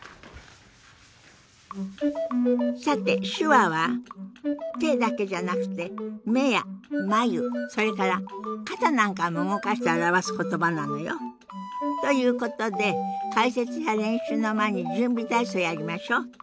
さて手話は手だけじゃなくて目や眉それから肩なんかも動かして表す言葉なのよ。ということで解説や練習の前に準備体操をやりましょう！